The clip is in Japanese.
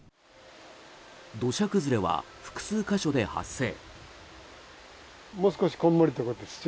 土砂崩れは複数箇所で発生。